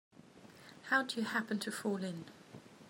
How'd you happen to fall in?